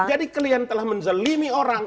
jadi kalian telah menzelimi orang